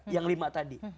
yang lima tadi